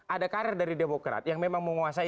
ada karir dari demokrat yang memang menguasai